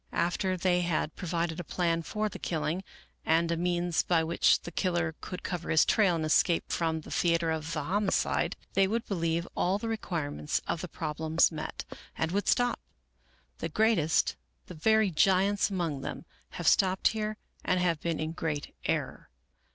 After they had provided a plan for the killing, and a means by which the killer could cover his trail and escape from the theater of the homicide, they would believe all the requirements of the problems met, and would stop. The greatest, the very giants among them, have stopped here and have been in great error.